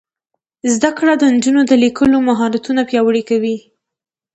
زده کړه د نجونو د لیکلو مهارتونه پیاوړي کوي.